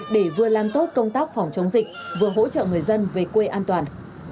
để vừa làm tốt công tác phòng chống dịch vừa hỗ trợ người dân về quê an toàn